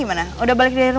bisa gak nggak makin kesiliran